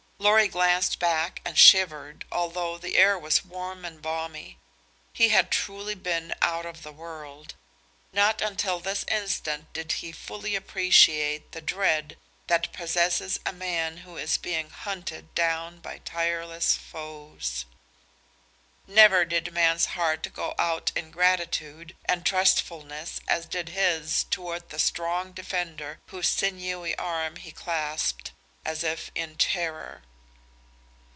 Lorry glanced back and shivered, although the air was warm and balmy. He had truly been out of the world. Not until this instant did he fully appreciate the dread that possesses a man who is being hunted down by tireless foes; never did man's heart go out in gratitude and trustfulness as did his toward the strong defender whose sinewy arm he clasped as if in terror.